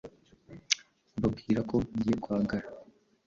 mbabwirako Ngiye kwa Ngara